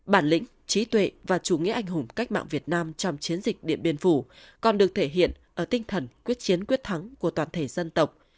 bản lĩnh trí tuệ và chủ nghĩa anh hùng cách mạng việt nam trong chiến dịch điện biên phủ còn được thể hiện ở tinh thần quyết chiến quyết thắng của toàn thể dân tộc